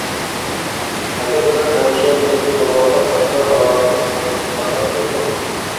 ئەگەر مەن ھەمىشە بىرىنچى بولۇۋالسام، باشقا بالىلارنىڭ ئانىسى قانداق قىلىدۇ؟